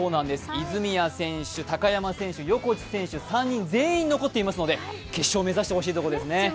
泉谷選手、高山選手、横地選手、３人全員残っていますので、決勝を目指してほしいところですね。